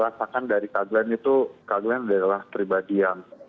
yang saya selalu rasakan dari kak glenn itu kak glenn adalah pribadi yang